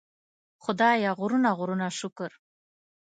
خدایه غرونه غرونه شکر.